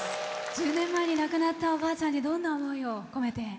１０年前に亡くなったおばあちゃんにどんな思いを込めて。